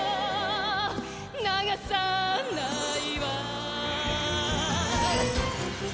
流さないわ